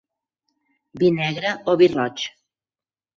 Vi negre o vi roig.